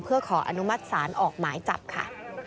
เพื่อขออนุมัติศาลออกหมายจับค่ะ